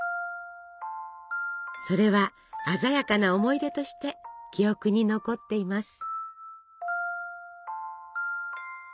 それは鮮やかな思い出として記憶に残っています。